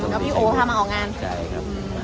มากับพี่โอครับพี่โอพามาออกงานใช่ครับ